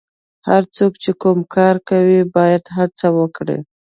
هر څوک چې کوم کار کوي باید هڅه وکړي.